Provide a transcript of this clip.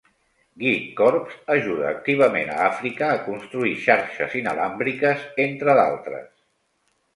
Geekcorps ajuda activament a Àfrica a construir xarxes inalàmbriques entre d'altres.